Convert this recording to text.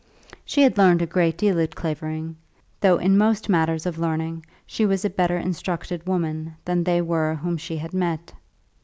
She had learned a great deal at Clavering, though in most matters of learning she was a better instructed woman than they were whom she had met.